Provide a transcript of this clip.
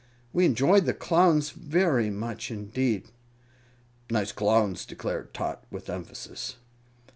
We enjoyed the Clowns very much indeed." "Nice Clowns," declared Tot, with emphasis.